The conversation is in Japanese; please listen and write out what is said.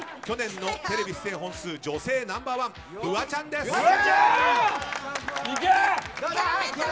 去年のテレビ出演本数女性ナンバー１フワちゃんです。